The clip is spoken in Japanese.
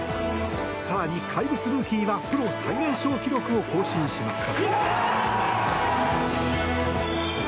更に怪物ルーキーがプロ最年少記録を更新しました。